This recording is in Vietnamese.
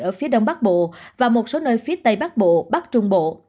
ở phía đông bắc bộ và một số nơi phía tây bắc bộ bắc trung bộ